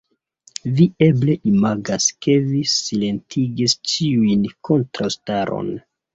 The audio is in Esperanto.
Vi eble imagas, ke vi silentigis ĉiun kontraŭstaron.